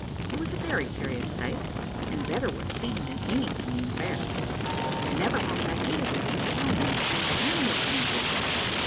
It was a very curious sight, and better worth seeing than anything in the fair; I never had an idea that there were so many strange animals in existence.